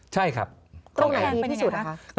ใช่ครับตรงแอนเป็นยังไงครับ